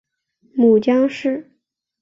母江氏。